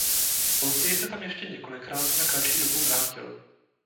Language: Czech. Později se tam ještě několikrát na kratší dobu vrátil.